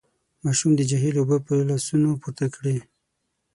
ماشوم د جهيل اوبه په لاسونو پورته کړې.